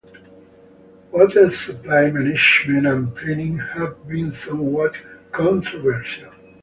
Water supply management and planning have been somewhat controversial.